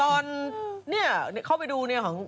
ตอนเนี่ยเข้าไปดูนะ